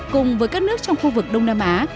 cùng với các nước trong khu vực đông nam á